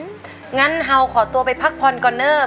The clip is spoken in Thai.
เพราะฉะนั้นฮาวขอตัวไปพักพรก่อนเนอะ